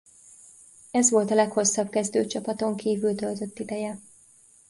Ez volt a leghosszabb kezdőcsapaton kívül töltött ideje.